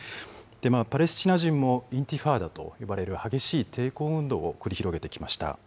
パレスチナ人もインティファーダと呼ばれる激しい抵抗運動を繰り広げてきました。